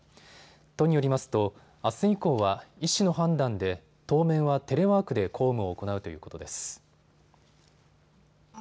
都によりますと、あす以降は医師の判断で当面はテレワークで公務を行うということです。